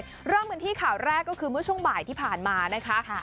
ด้านหนึ่งกันที่เขาแรกก็คือเมื่อช่วงบ่ายที่ผ่านมานะคะ